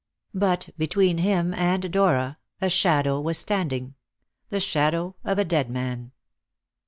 But between him and Dora a shadow was standing the shadow of a dead man.